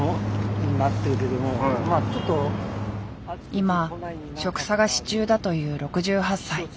今職探し中だという６８歳。